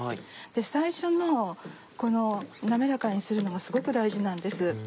最初のこの滑らかにするのがすごく大事なんです。